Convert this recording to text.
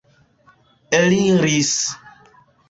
eliris